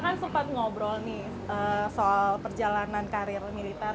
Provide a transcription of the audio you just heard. kan sempat ngobrol nih soal perjalanan karir militer